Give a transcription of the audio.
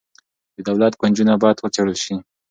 د دولت کونجونه باید وڅیړل شي.